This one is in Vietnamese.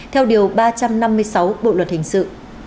theo điều ba trăm năm mươi sáu bộ luật hình sự